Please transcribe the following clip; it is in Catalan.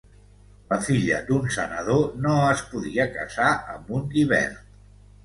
La filla d'un senador no es podia casar amb un llibert.